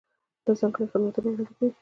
دا ځانګړي خدمتونه وړاندې کوي.